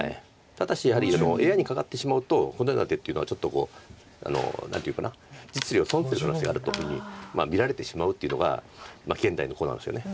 ただしやはりＡＩにかかってしまうとこのような手っていうのはちょっと何ていうかな実利を損する可能性があるというふうに見られてしまうというのが現代の碁なんですよね。